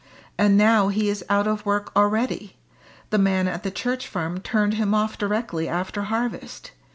And now he is out of work already the man at the Church Farm turned him off directly after harvest.